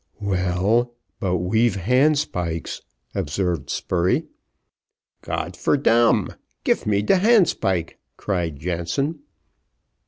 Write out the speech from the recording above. "Well, but we've handspikes," observed Spurey. "Got for dam, gif me de handspike," cried Jansen.